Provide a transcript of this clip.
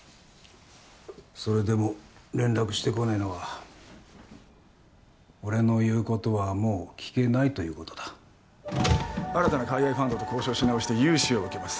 それでも連絡してこねえのは俺の言うことはもう聞けないということだ新たな海外ファンドと交渉し直して融資を受けます